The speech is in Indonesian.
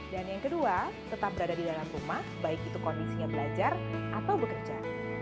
dan yang kedua tetap berada di dalam rumah baik itu kondisinya belajar atau bekerja